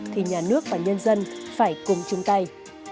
thì nhà nước và nhân dân phải cùng chung tay